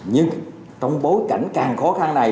nhưng trong bối cảnh càng khó khăn này